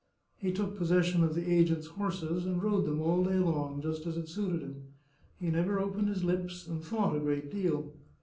He took possession of the agent's horses, and rode them all day long, just as it suited him. He never opened his lips, and thought a great deal.